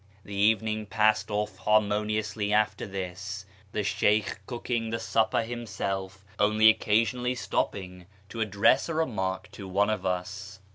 The evening passed off harmoniously after this, the Sheykh cooking the supper himself, only stopping occa sionally to address a remark to one of us.